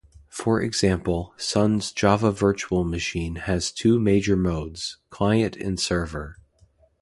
For example, Sun's Java Virtual Machine has two major modes-client and server.